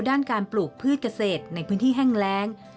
ด้านการปลูกพืชเกษตรในพื้นที่แห้งแรง